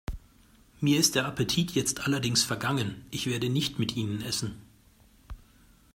Mir ist der Appetit jetzt allerdings vergangen. Ich werde nicht mit Ihnen essen.